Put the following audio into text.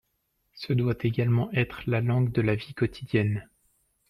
Ce doit également être la langue de la vie quotidienne.